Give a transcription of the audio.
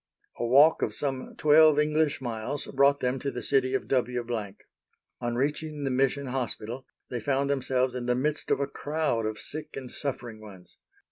A walk of some twelve English miles brought them to the city of W——. On reaching the Mission Hospital they found themselves in the midst of a crowd of sick and suffering ones.